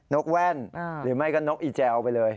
กแว่นหรือไม่ก็นกอีแจวไปเลย